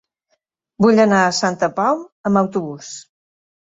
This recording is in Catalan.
Vull anar a Santa Pau amb autobús.